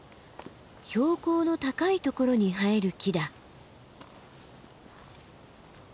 標高の高いところに生える木だ。